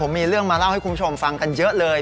มีเรื่องมาเล่าให้คุณผู้ชมฟังกันเยอะเลย